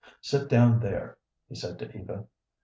"Sit down there," he said to Eva.